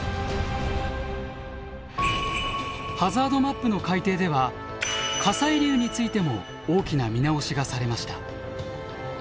ハザードマップの改定では火砕流についても大きな見直しがされました。